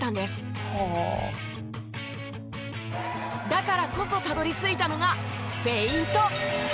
だからこそたどり着いたのがフェイント。